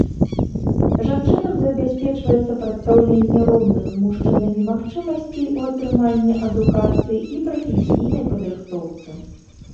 Жанчынам забяспечваецца прадастаўленне роўных з мужчынамі магчымасцей у атрыманні адукацыі і прафесійнай падрыхтоўцы.